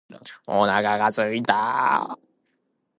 お腹が空いた。